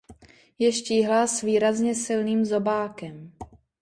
Je štíhlá s výrazně silným zobákem.